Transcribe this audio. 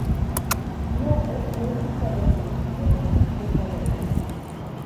L'Ogo no és un telèfon i no té funcions de veu.